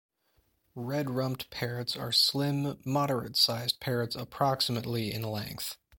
Red-rumped parrots are slim, moderate-sized parrots approximately in length.